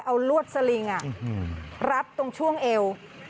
เอาลวดสลิงรัดตรงช่วงเอว